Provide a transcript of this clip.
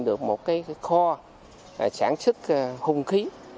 được một kho sản xuất hung khí